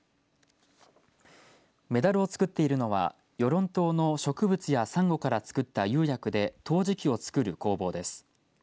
メダルを作っているのは与論島の植物やサンゴから作った釉薬で陶磁器を作る工房です。